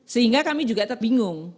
sehingga kami juga bingung